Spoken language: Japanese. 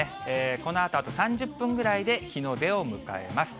このあと、あと３０分ぐらいで、日の出を迎えます。